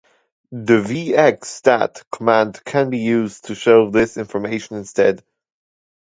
The "vxstat" command can be used to show this information instead.